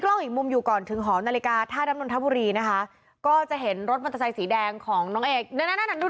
ล่ะล่ะล่ะล่ะล่ะล่ะล่ะล่ะล่ะล่ะล่ะล่ะล่ะล่ะล่ะล่ะล่ะล่ะล่ะ